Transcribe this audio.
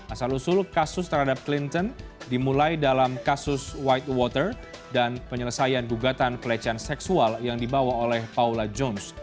asal usul kasus terhadap clinton dimulai dalam kasus white water dan penyelesaian gugatan pelecehan seksual yang dibawa oleh paula jones